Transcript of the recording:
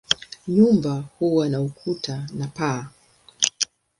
Nyumba huwa na ukuta na paa.